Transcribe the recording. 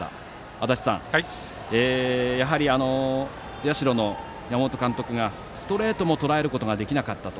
足達さん、社の山本監督がストレートもとらえることができなかったと。